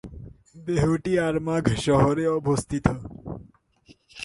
দেহটি আরমাঘ শহরে অবস্থিত।